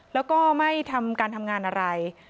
แล้วก็ไม่ทำการทำงานอะไร